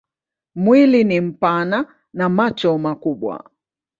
Mwili ni mpana na macho makubwa.